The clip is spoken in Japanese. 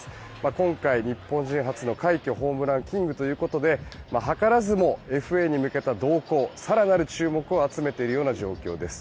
今回、日本人初の快挙ホームランキングということではからずもＦＡに向けた動向更なる注目を集めている状況です。